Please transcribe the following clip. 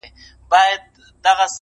سر مي لوڅ دی پښې مي لوڅي په تن خوار یم،